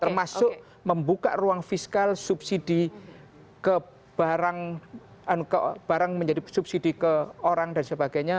termasuk membuka ruang fiskal subsidi ke barang menjadi subsidi ke orang dan sebagainya